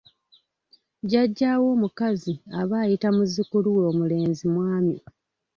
"Jjajjaawo omukazi aba ayita muzzukulu we omulenzi ""mwami""."